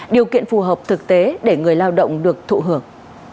điều kiện phù hợp thực tế để người lao động được thụ hưởng